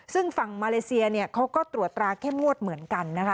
ซึ่งฝั่งมาเลเซียเนี่ยเขาก็ตรวจตราเข้มงวดเหมือนกันนะคะ